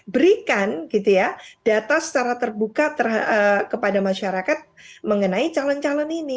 berikan data secara terbuka kepada masyarakat mengenai calon calon ini